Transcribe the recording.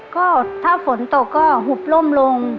ก็ถ้าฝนตกก็หุบล่มลง